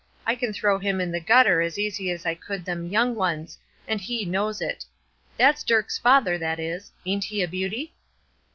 I can throw him in the gutter as easy as I could them young ones, and he knows it. That's Dirk's father, that is! Ain't he a beauty?"